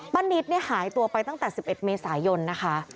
ป้านิตเนี่ยหายตัวไปตั้งแต่สิบเอ็ดเมษายนนะคะ